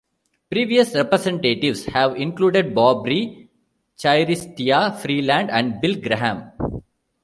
Previous representatives have included Bob Rae, Chrystia Freeland, and Bill Graham.